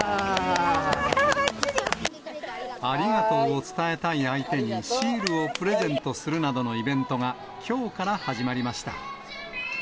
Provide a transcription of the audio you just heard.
ありがとうを伝えたい相手にシールをプレゼントするなどのイベントがきょうから始まりました。